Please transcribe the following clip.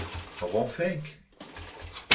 Ɣunfan-k?